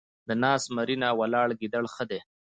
ـ د ناست زمري نه ، ولاړ ګيدړ ښه دی.